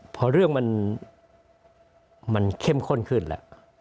พอเรื่องมันมันเข้มข้นขึ้นละ